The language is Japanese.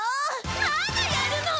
まだやるの？